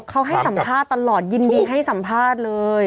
เขาให้สัมภาษณ์ตลอดยินดีให้สัมภาษณ์เลย